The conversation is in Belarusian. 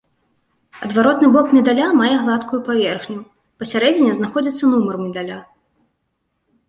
Адваротны бок медаля мае гладкую паверхню, пасярэдзіне знаходзіцца нумар медаля.